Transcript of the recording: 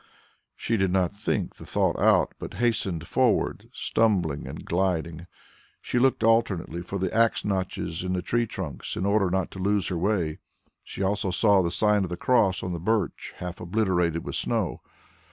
She did not think the thought out, but hastened forward, stumbling and gliding. She looked attentively for the axe notches in the tree trunks in order not to lose her way. She also saw the sign of the cross on the birch half obliterated with snow.